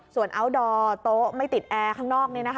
ส่วนอัลดอร์โต๊ะไม่ติดแอร์ข้างนอก